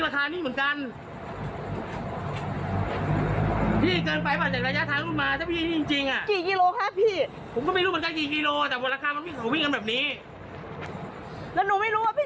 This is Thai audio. สี่ร้อยไม่ต้องเงินเกินไปมั้ยพี่